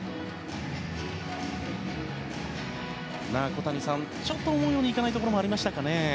小谷さん、ちょっと思うように行かないところもありましたか。